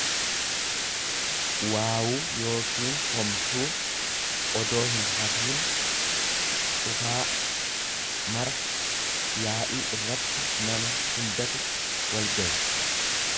waawuu yookiin humtuu odoo hinhafiin, cufaa, mara; Yaa'ii irratti nama hundatu wal gaye.